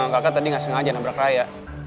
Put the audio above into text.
kakak tadi nggak sengaja nabrak raya